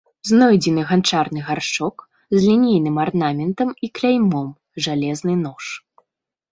Знойдзены ганчарны гаршчок з лінейным арнаментам і кляймом, жалезны нож.